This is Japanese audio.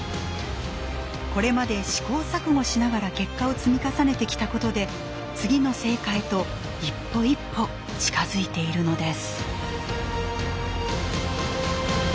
これまで試行錯誤しながら結果を積み重ねてきたことで次の成果へと一歩一歩近づいているのです。